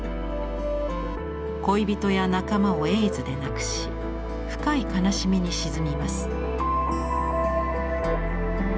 恋人や仲間をエイズで亡くし深い悲しみに沈みます。